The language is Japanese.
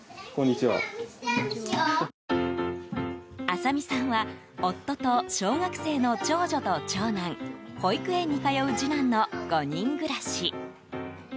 麻美さんは夫と小学生の長女と長男保育園に通う次男の５人暮らし。